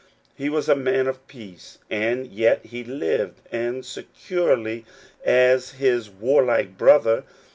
He was a man of peace, and yet he lived as securely as his warlike brother.